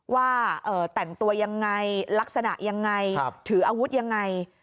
ว่าแต่งตัวยังไงลักษณะยังไงถืออาวุธยังไง